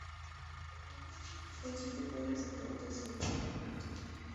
Con siete podios, acabó tercero en el campeonato.